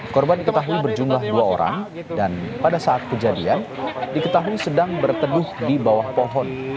korban diketahui berjumlah dua orang dan pada saat kejadian diketahui sedang berteduh di bawah pohon